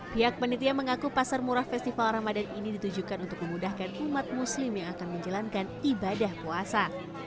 pihak penitia mengaku pasar murah festival ramadan ini ditujukan untuk memudahkan umat muslim yang akan menjalankan ibadah puasa